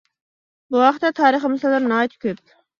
بۇ ھەقتە تارىخىي مىساللار ناھايىتى كۆپ.